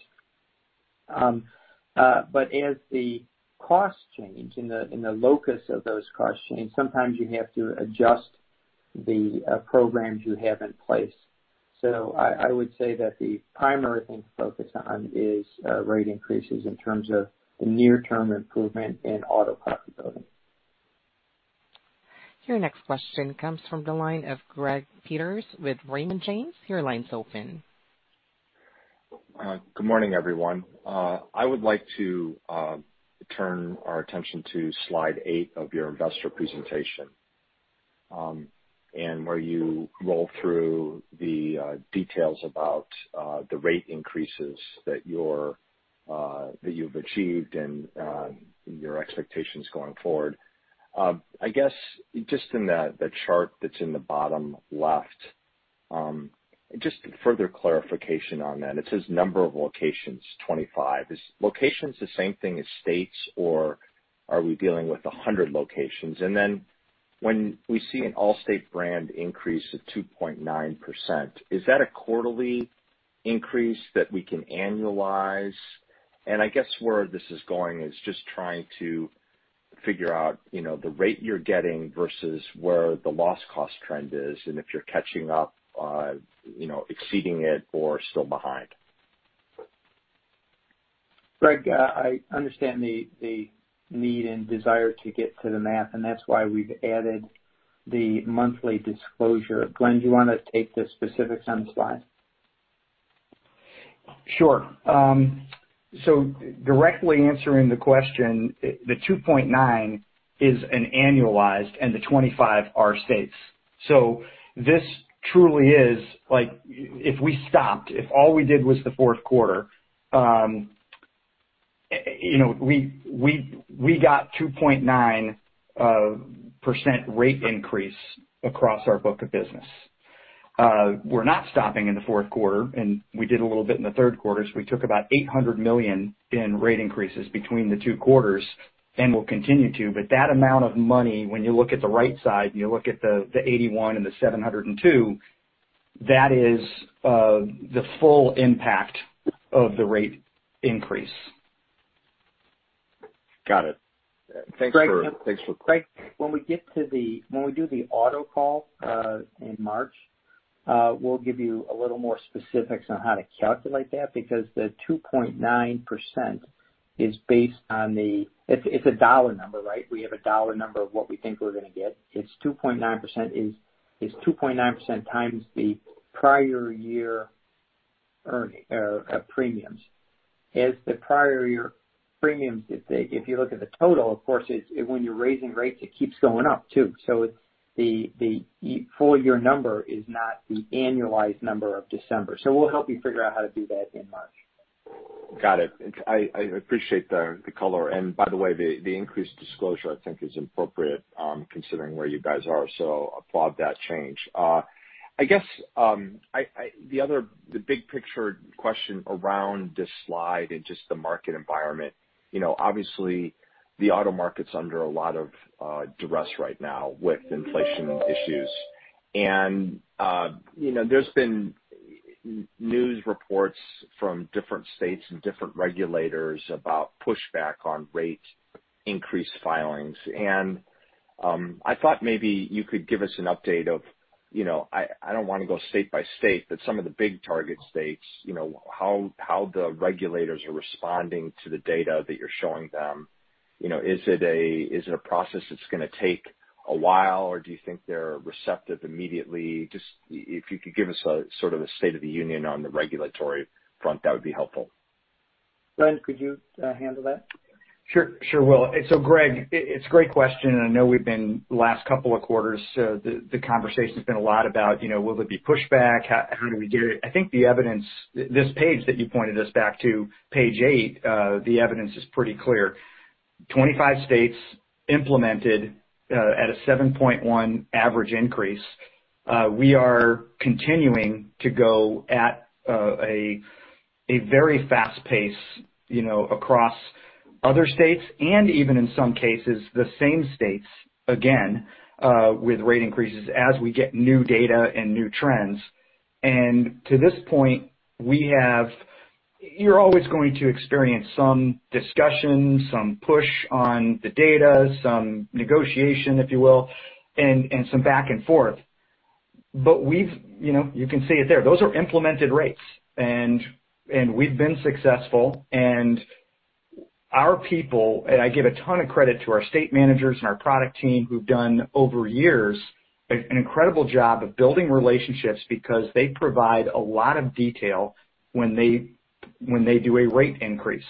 As the costs change in the locus of those costs, sometimes you have to adjust the programs you have in place. I would say that the primary thing to focus on is rate increases in terms of the near-term improvement in auto profitability. Your next question comes from the line of Greg Peters with Raymond James. Your line's open. Good morning, everyone. I would like to turn our attention to slide eight of your investor presentation, and where you roll through the details about the rate increases that you've achieved and your expectations going forward. I guess just in the chart that's in the bottom left, just further clarification on that. It says number of locations, 25. Is locations the same thing as states or are we dealing with 100 locations? And then when we see an Allstate brand increase of 2.9%, is that a quarterly increase that we can annualize? And I guess where this is going is just trying to figure out, you know, the rate you're getting versus where the loss cost trend is and if you're catching up, you know, exceeding it or still behind. Greg, I understand the need and desire to get to the math, and that's why we've added the monthly disclosure. Glenn, do you wanna take the specifics on the slide? Sure. Directly answering the question, the 2.9 is an annualized and the 25 are states. This truly is like if we stopped, if all we did was the fourth quarter, you know, we got 2.9% rate increase across our book of business. We're not stopping in the fourth quarter, and we did a little bit in the third quarter, so we took about $800 million in rate increases between the two quarters, and we'll continue to. That amount of money, when you look at the right side and you look at the $81 and the $702, that is the full impact of the rate increase. Got it. Greg. Thanks for clarity. Greg, when we do the auto call in March, we'll give you a little more specifics on how to calculate that because the 2.9% is based on the. It's a dollar number, right? We have a dollar number of what we think we're gonna get. It's 2.9% is 2.9% times the prior year earned premiums. As the prior year premiums, if you look at the total, of course, it's when you're raising rates, it keeps going up, too. It's the full year number is not the annualized number of December. We'll help you figure out how to do that in March. Got it. I appreciate the color. By the way, the increased disclosure I think is appropriate, considering where you guys are. Applaud that change. I guess the other big picture question around this slide and just the market environment. You know, obviously, the auto market's under a lot of duress right now with inflation issues. You know, there's been news reports from different states and different regulators about pushback on rate increase filings. I thought maybe you could give us an update of you know I don't wanna go state by state, but some of the big target states you know how the regulators are responding to the data that you're showing them. You know, is it a process that's gonna take a while or do you think they're receptive immediately? Just if you could give us a sort of a state of the union on the regulatory front, that would be helpful. Glenn, could you handle that? Sure. Sure will. Greg, it's a great question, and I know we've been last couple of quarters, the conversation's been a lot about, you know, will there be pushback? How do we do it? I think the evidence, this page that you pointed us back to, page eight, the evidence is pretty clear. 25 states implemented at a 7.1 average increase. We are continuing to go at a very fast pace, you know, across other states, and even in some cases, the same states again with rate increases as we get new data and new trends. To this point, we have. You're always going to experience some discussion, some push on the data, some negotiation, if you will, and some back and forth. We've, you know, you can see it there. Those are implemented rates and we've been successful and our people. I give a ton of credit to our state managers and our product team who've done over years an incredible job of building relationships because they provide a lot of detail when they do a rate increase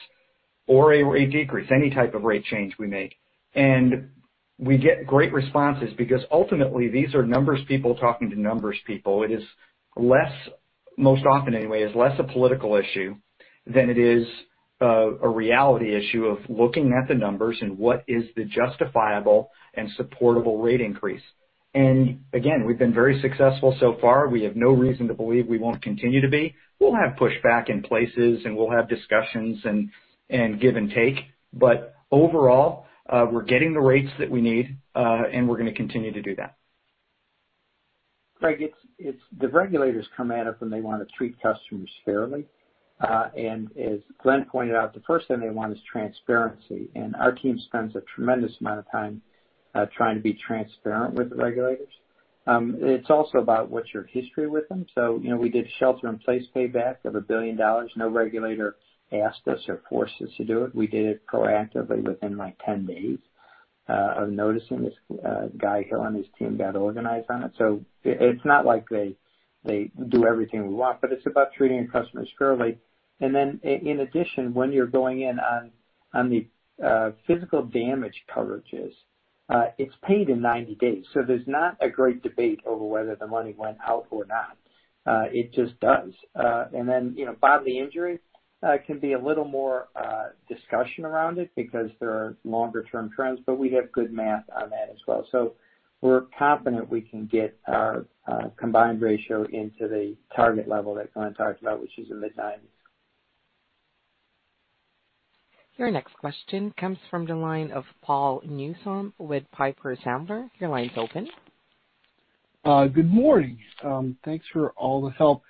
or a decrease, any type of rate change we make. We get great responses because ultimately these are numbers people talking to numbers people. It is less, most often anyway, a political issue than it is a reality issue of looking at the numbers and what is the justifiable and supportable rate increase. Again, we've been very successful so far. We have no reason to believe we won't continue to be. We'll have pushback in places, and we'll have discussions and give and take, but overall, we're getting the rates that we need, and we're gonna continue to do that. Greg, it's the regulators come at us when they wanna treat customers fairly. As Glenn pointed out, the first thing they want is transparency, and our team spends a tremendous amount of time trying to be transparent with the regulators. It's also about what's your history with them. You know, we did Shelter-in-Place Payback of $1 billion. No regulator asked us or forced us to do it. We did it proactively within, like, 10 days of noticing this. Guy Hill and his team got organized on it. It's not like they do everything we want, but it's about treating customers fairly. In addition, when you're going in on the physical damage coverages, it's paid in 90 days. There's not a great debate over whether the money went out or not. It just does. And then, you know, bodily injury can be a little more discussion around it because there are longer term trends, but we have good math on that as well. We're confident we can get our combined ratio into the target level that Glenn talked about, which is the mid-90s. Your next question comes from the line of Paul Newsome with Piper Sandler. Your line's open. Good morning. Thanks for all the help.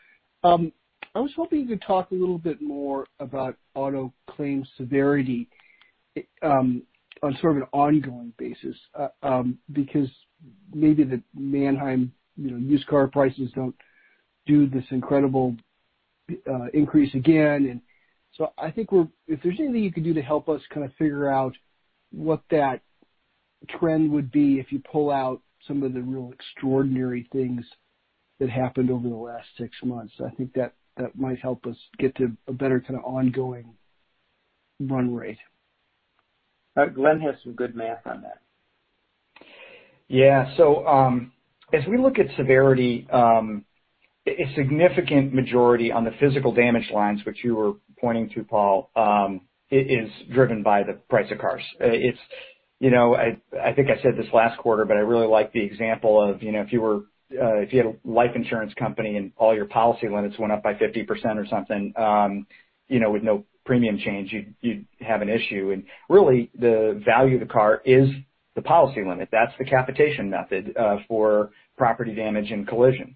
I was hoping you could talk a little bit more about auto claims severity on sort of an ongoing basis, because maybe the Manheim, you know, used car prices don't do this incredible increase again. I think if there's anything you could do to help us kind of figure out what that trend would be if you pull out some of the real extraordinary things that happened over the last six months, I think that might help us get to a better kind of ongoing run rate. Glenn has some good math on that. Yeah. As we look at severity, a significant majority on the physical damage lines, which you were pointing to, Paul, is driven by the price of cars. It's, you know, I think I said this last quarter, but I really like the example of, you know, if you had a life insurance company and all your policy limits went up by 50% or something, you know, with no premium change, you'd have an issue. Really, the value of the car is the policy limit. That's the cap limitation for property damage and collision.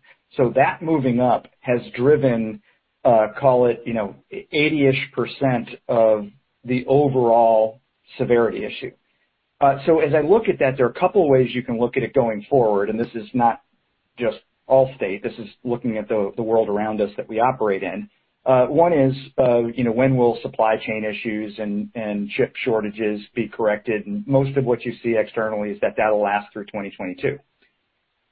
That moving up has driven, call it, you know, 80-ish% of the overall severity issue. As I look at that, there are a couple of ways you can look at it going forward, and this is not just Allstate. This is looking at the world around us that we operate in. One is, you know, when will supply chain issues and chip shortages be corrected? Most of what you see externally is that that'll last through 2022.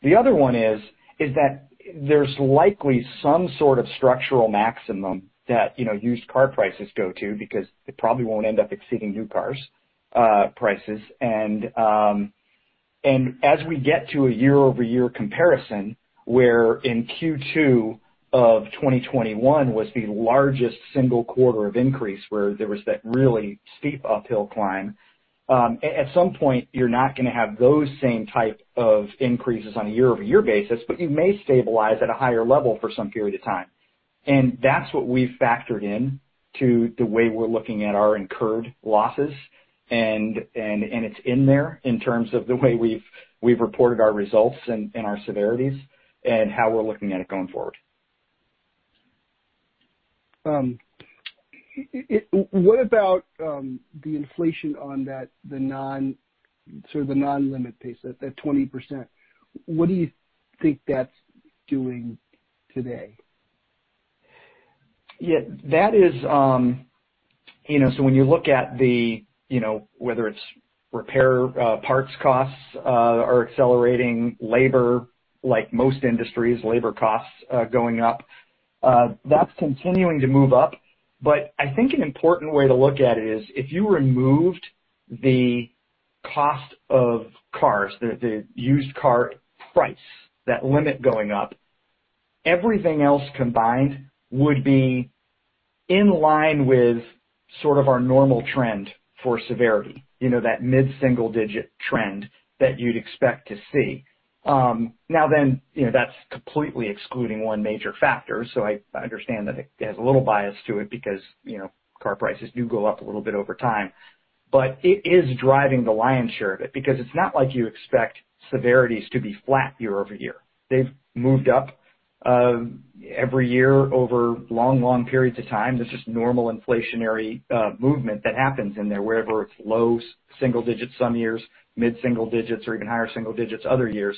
The other one is that there's likely some sort of structural maximum that, you know, used car prices go to because it probably won't end up exceeding new cars' prices. As we get to a year-over-year comparison, where in Q2 of 2021 was the largest single quarter of increase, where there was that really steep uphill climb, at some point, you're not gonna have those same type of increases on a year-over-year basis, but you may stabilize at a higher level for some period of time. That's what we've factored in to the way we're looking at our incurred losses. It's in there in terms of the way we've reported our results and our severities and how we're looking at it going forward. What about the inflation on that, sort of, the non-limit piece, that 20%? What do you think that's doing today? Yeah. That is, you know, so when you look at the, you know, whether it's repair parts costs or accelerating labor, like most industries, labor costs going up, that's continuing to move up. I think an important way to look at it is if you removed the cost of cars, the used car price inflation going up, everything else combined would be in line with sort of our normal trend for severity, you know, that mid-single digit trend that you'd expect to see. Now then, you know, that's completely excluding one major factor. I understand that it has a little bias to it because, you know, car prices do go up a little bit over time. It is driving the lion's share of it because it's not like you expect severities to be flat year-over-year. They've moved up every year over long, long periods of time. This is normal inflationary movement that happens in there, whether it's low single digits some years, mid single digits or even higher single digits other years.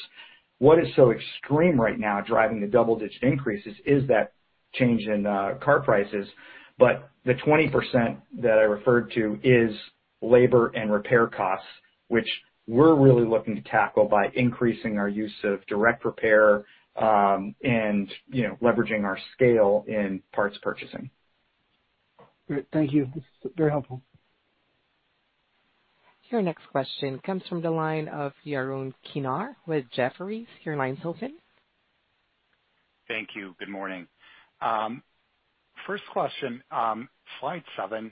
What is so extreme right now, driving the double-digit increases is that change in car prices. The 20% that I referred to is labor and repair costs, which we're really looking to tackle by increasing our use of direct repair and, you know, leveraging our scale in parts purchasing. Great. Thank you. This is very helpful. Your next question comes from the line of Yaron Kinar with Jefferies. Your line's open. Thank you. Good morning. First question. Slide seven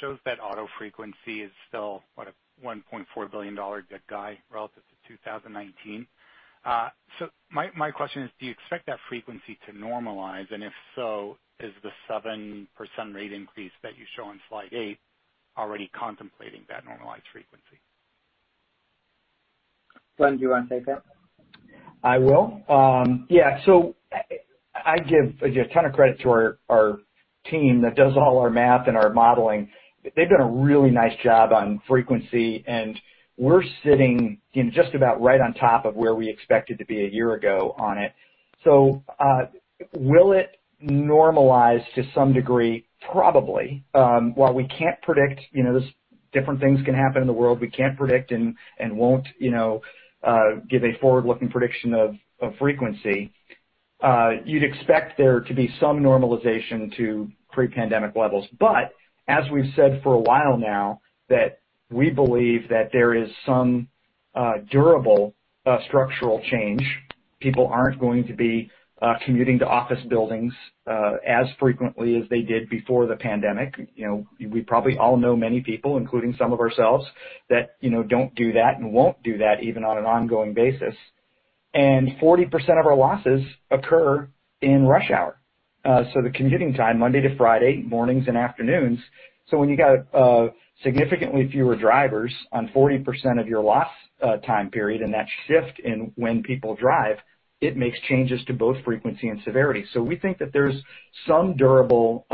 shows that auto frequency is still, what, a $1.4 billion opportunity relative to 2019. My question is, do you expect that frequency to normalize? If so, is the 7% rate increase that you show on slide eight already contemplating that normalized frequency? Glenn, do you wanna take that? I will. Yeah. I give a ton of credit to our team that does all our math and our modeling. They've done a really nice job on frequency, and we're sitting, you know, just about right on top of where we expected to be a year ago on it. Will it normalize to some degree? Probably. While we can't predict, you know, there's different things can happen in the world, we can't predict and won't, you know, give a forward-looking prediction of frequency. You'd expect there to be some normalization to pre-pandemic levels. As we've said for a while now that we believe that there is some durable structural change. People aren't going to be commuting to office buildings as frequently as they did before the pandemic. You know, we probably all know many people, including some of ourselves, that, you know, don't do that and won't do that even on an ongoing basis. 40% of our losses occur in rush hour. The commuting time, Monday to Friday, mornings and afternoons. When you got significantly fewer drivers on 40% of your loss time period and that shift in when people drive, it makes changes to both frequency and severity. We think that there's some durable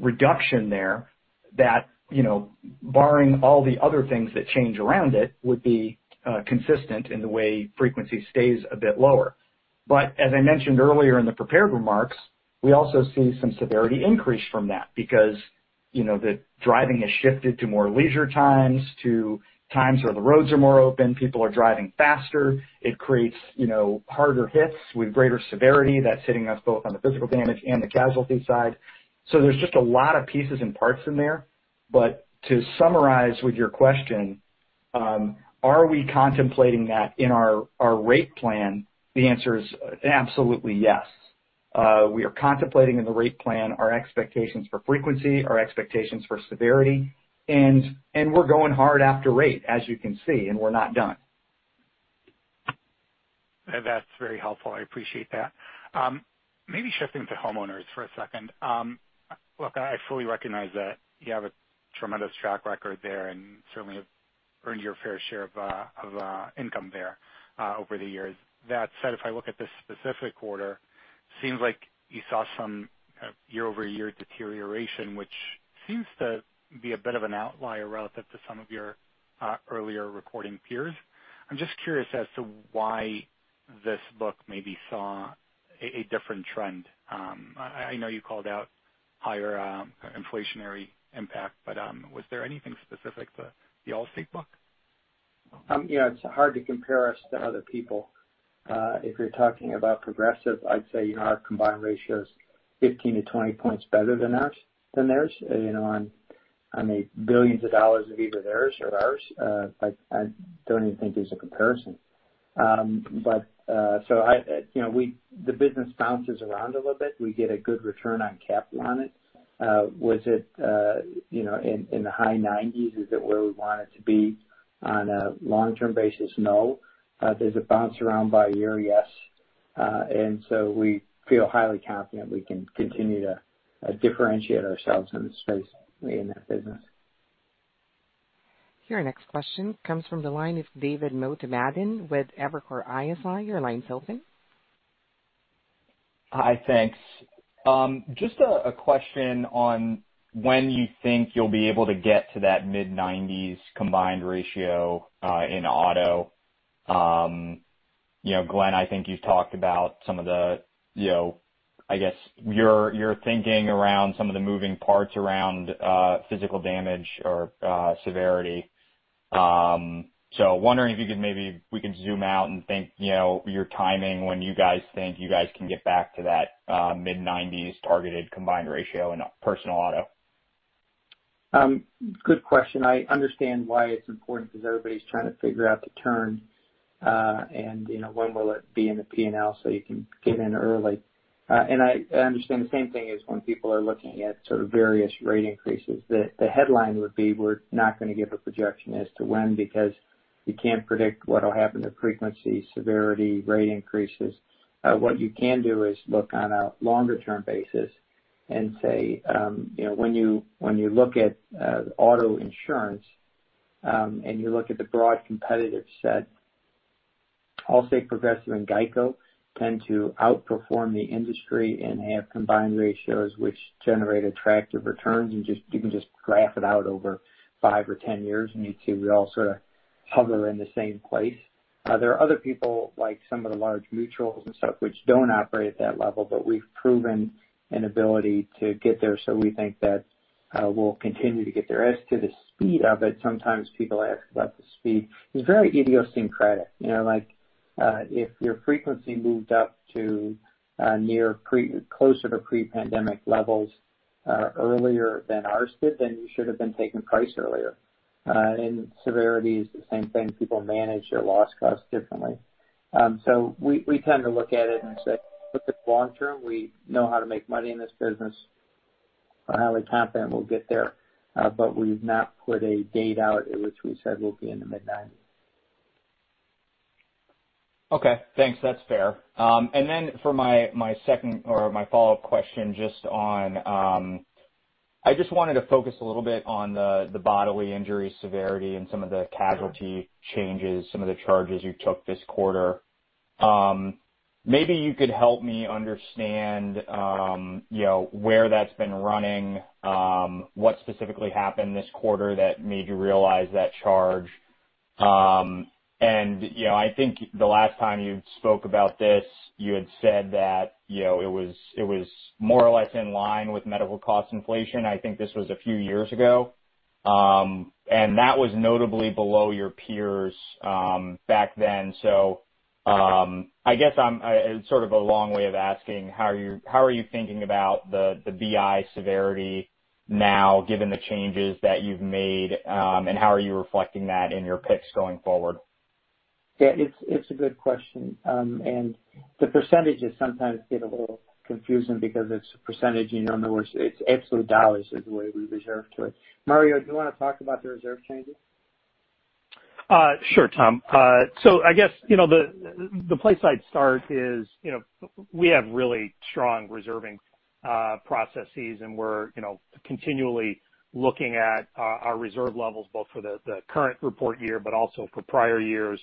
reduction there that, you know, barring all the other things that change around it, would be consistent in the way frequency stays a bit lower. As I mentioned earlier in the prepared remarks, we also see some severity increase from that because, you know, the driving has shifted to more leisure times, to times where the roads are more open, people are driving faster. It creates, you know, harder hits with greater severity that's hitting us both on the physical damage and the casualty side. There's just a lot of pieces and parts in there. To summarize with your question, are we contemplating that in our rate plan? The answer is absolutely yes. We are contemplating in the rate plan our expectations for frequency, our expectations for severity, and we're going hard after rate, as you can see, and we're not done. That's very helpful. I appreciate that. Maybe shifting to homeowners for a second. Look, I fully recognize that you have a tremendous track record there and certainly have earned your fair share of income there over the years. That said, if I look at this specific quarter, seems like you saw some year-over-year deterioration, which seems to be a bit of an outlier relative to some of your other reporting peers. I'm just curious as to why this book maybe saw a different trend. I know you called out higher inflationary impact, but was there anything specific to the Allstate book? Yeah, it's hard to compare us to other people. If you're talking about Progressive, I'd say our combined ratio is 15-20 points better than theirs. You know, on, I mean, billions of dollars of either theirs or ours. I don't even think there's a comparison. The business bounces around a little bit. We get a good return on capital on it. Was it, you know, in the high 90s? Is it where we want it to be on a long-term basis? No. Does it bounce around by year? Yes. We feel highly confident we can continue to differentiate ourselves in the space in that business. Your next question comes from the line of David Motemaden with Evercore ISI. Your line's open. Hi. Thanks. Just a question on when you think you'll be able to get to that mid-90s combined ratio in auto. You know, Glenn, I think you've talked about some of the, you know, I guess, your thinking around some of the moving parts around physical damage or severity. Wondering if you could we can zoom out and think, you know, your timing when you guys think you guys can get back to that mid-90s targeted combined ratio in personal auto. Good question. I understand why it's important because everybody's trying to figure out the turn, and, you know, when will it be in the P&L so you can get in early. I understand the same thing as when people are looking at sort of various rate increases. The headline would be, we're not going to give a projection as to when because you can't predict what'll happen to frequency, severity, rate increases. What you can do is look on a longer term basis and say, you know, when you look at auto insurance, and you look at the broad competitive set, I'll say Progressive and GEICO tend to outperform the industry and have combined ratios which generate attractive returns. You just, you can just graph it out over five or 10 years, and you see we all sort of hover in the same place. There are other people, like some of the large mutuals and stuff, which don't operate at that level, but we've proven an ability to get there. We think that, we'll continue to get there. As to the speed of it, sometimes people ask about the speed. It's very idiosyncratic. You know, like, if your frequency moved up to, closer to pre-pandemic levels, earlier than ours did, then you should have been taking price earlier, and severity is the same thing. People manage their loss costs differently. We tend to look at it and say, look at the long term. We know how to make money in this business. We're highly confident we'll get there, but we've not put a date out in which we said we'll be in the mid-nineties. Okay, thanks. That's fair. For my second or my follow-up question, just on, I just wanted to focus a little bit on the bodily injury severity and some of the casualty changes, some of the charges you took this quarter. Maybe you could help me understand, you know, where that's been running, what specifically happened this quarter that made you realize that charge. You know, I think the last time you spoke about this, you had said that, you know, it was more or less in line with medical cost inflation. I think this was a few years ago. That was notably below your peers, back then. I guess I'm sort of a long way of asking, how are you thinking about the BI severity now, given the changes that you've made, and how are you reflecting that in your picks going forward? Yeah, it's a good question. The percentages sometimes get a little confusing because it's a percentage, you know, in other words, it's absolute dollars is the way we reserve to it. Mario, do you want to talk about the reserve changes? Sure, Tom. I guess, you know, the place I'd start is, you know, we have really strong reserving processes, and we're, you know, continually looking at our reserve levels, both for the current report year, but also for prior years.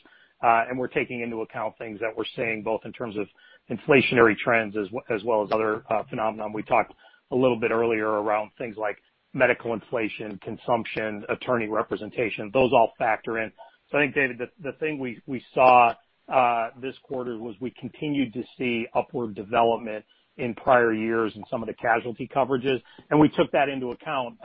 We're taking into account things that we're seeing, both in terms of inflationary trends as well as other phenomenon. We talked a little bit earlier around things like medical inflation, consumption, attorney representation. Those all factor in. I think, David, the thing we saw this quarter was we continued to see upward development in prior years in some of the casualty coverages, and we took that into account,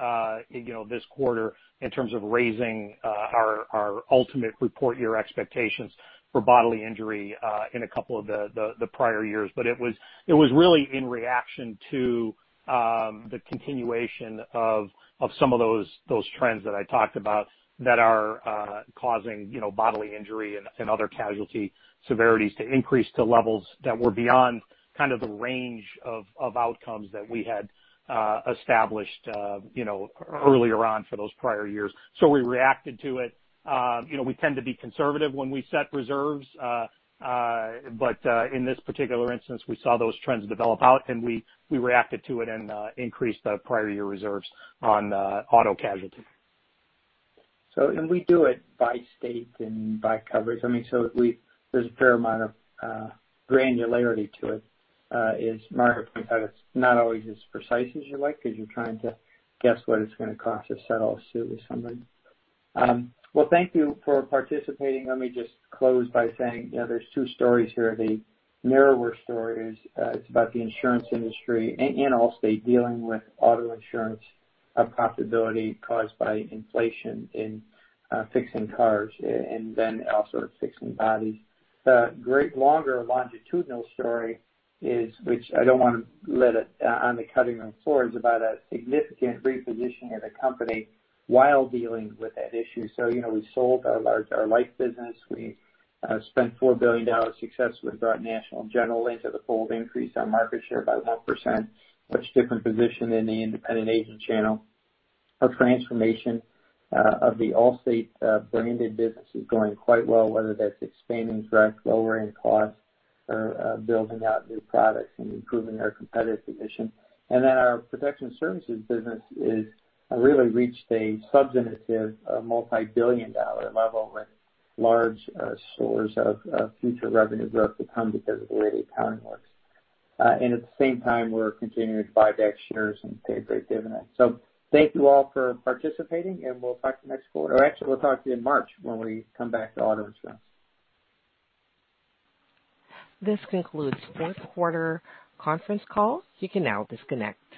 you know, this quarter in terms of raising our ultimate report year expectations for bodily injury in a couple of the prior years. It was really in reaction to the continuation of some of those trends that I talked about that are causing, you know, bodily injury and other casualty severities to increase to levels that were beyond kind of the range of outcomes that we had established, you know, earlier on for those prior years. We reacted to it. You know, we tend to be conservative when we set reserves. In this particular instance, we saw those trends develop out and we reacted to it and increased the prior year reserves on auto casualty. We do it by state and by coverage. I mean, we—there's a fair amount of granularity to it. It is market competitive, it's not always as precise as you like because you're trying to guess what it's going to cost to settle a suit with somebody. Well, thank you for participating. Let me just close by saying, you know, there's two stories here. The narrower story is, it's about the insurance industry and Allstate dealing with auto insurance profitability caused by inflation in fixing cars and then also fixing bodies. The great longer longitudinal story is, which I don't want to leave it on the cutting room floor, is about a significant repositioning of the company while dealing with that issue. You know, we sold our life business. We spent $4 billion successfully to bring National General into the fold, increased our market share by 11%. Much different position in the independent agent channel. Our transformation of the Allstate branded business is going quite well, whether that's expanding direct, lowering costs, or building out new products and improving our competitive position. Our protection services business is really reached a substantive multi-billion dollar level with large stores of future revenue growth to come because of the way the accounting works. At the same time, we're continuing to buy back shares and pay a great dividend. Thank you all for participating, and we'll talk to you next quarter. Actually, we'll talk to you in March when we come back to auto insurance. This concludes the fourth quarter conference call. You can now disconnect.